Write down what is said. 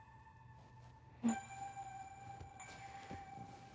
うん。